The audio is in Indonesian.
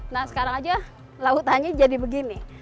nah sekarang aja lautannya jadi begini